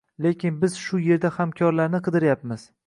Lekin biz shu yerda hamkorlarni qidiryapmiz.